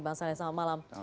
bang saleh selamat malam